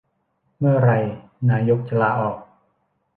เมื่อไรนายกจะลาออก